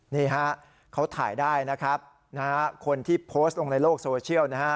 นี่ฮะเขาถ่ายได้นะครับคนที่โพสต์ลงในโลกโซเชียลนะฮะ